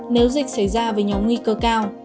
nếu dịch xảy ra với nhóm nguy cơ cao